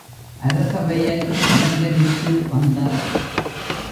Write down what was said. அரசவையை அலங்கரித்து வந்தார்.